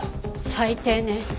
最低ね。